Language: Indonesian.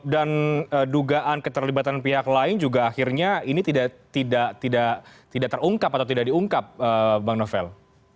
dan dugaan keterlibatan pihak lain juga akhirnya ini tidak terungkap atau tidak diungkap bang novel